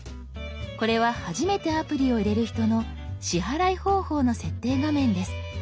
これは初めてアプリを入れる人の支払い方法の設定画面です。